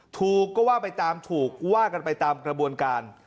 ถูกก็ว่าไปตามถูกว่ากันไปตามกระบวนการ